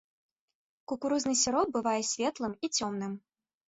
Кукурузны сіроп бывае светлым і цёмным.